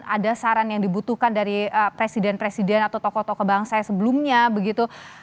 ada saran yang dibutuhkan dari presiden presiden atau tokoh tokoh bangsa yang sebelumnya begitu